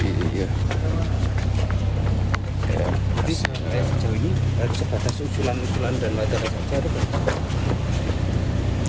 jadi sejauh ini harus sebatas usulan usulan dan latar belakang cara berbentuk